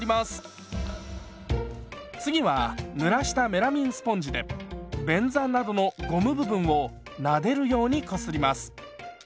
次はぬらしたメラミンスポンジで便座などのゴム部分をなでるようにこすります。